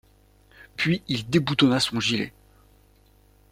Puis il déboutonna son gilet.